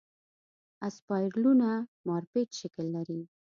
اسپایرلونه مارپیچ شکل لري.